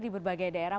di berbagai daerah